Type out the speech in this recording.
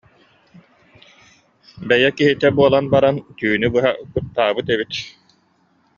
Бэйэ киһитэ буолан баран, түүнү быһа куттаабыт эбит»